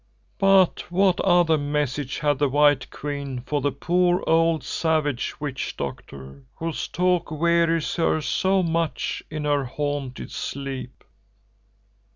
"But what other message had the White Queen for the poor old savage witch doctor whose talk wearies her so much in her haunted sleep?"